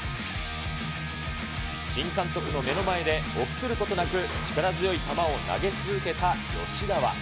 新監督の目の前で、臆することなく力強い球を投げ続けた吉田は。